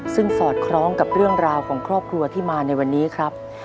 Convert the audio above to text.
ซึ่งสอดคล้องกับเรื่องราวของครอบครัวที่มาในวันนี้ครับ